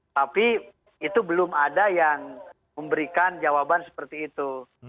tapi itu belum ada yang memberikan jawaban seperti itu